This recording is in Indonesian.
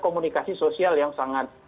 komunikasi sosial yang sangat